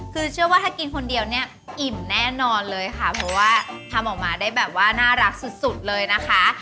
คือเชื่อว่าถ้ากินคนเดียวเนี่ยอิ่มแน่นอนเลยค่ะเพราะว่าทำออกมาได้แบบว่าน่ารักสุดสุดเลยนะคะ